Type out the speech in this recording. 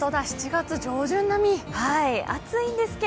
７月上旬並みですね。